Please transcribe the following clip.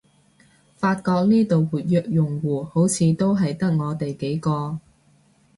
發覺呢度活躍用戶好似都係得我哋幾個